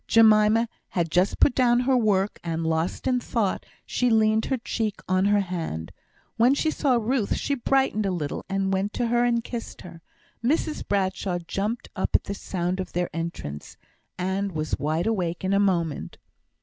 Jemima had just put down her work, and, lost in thought, she leant her cheek on her hand. When she saw Ruth she brightened a little, and went to her and kissed her. Mrs Bradshaw jumped up at the sound of their entrance, and was wide awake in a moment.